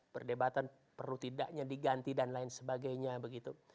perdebatan perlu tidaknya diganti dan lain sebagainya begitu